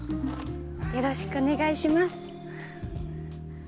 よろしくお願いします。